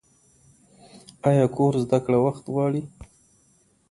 ایا کور زده کړه وخت غواړي؟